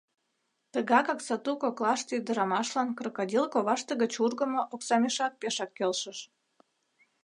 Тыгакак сату коклаште ӱдырамашлан крокодил коваште гыч ургымо оксамешак пешак келшыш.